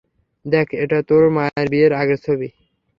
দেখ, এটা তোর মায়ের বিয়ের আগের ছবি।